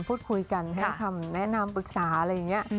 พูดคุยกันให้คำแนะนำปรึกษาอะไรอย่างนี้